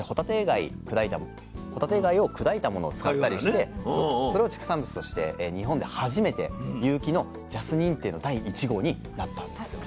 そしてほたて貝を砕いたものを使ったりしてそれを畜産物として日本で初めて有機のＪＡＳ認定の第１号になったんですよ。